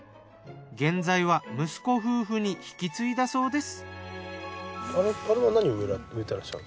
現在は息子夫婦に引き継いだそうです。